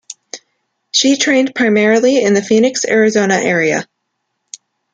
She trained primarily in the Phoenix, Arizona area.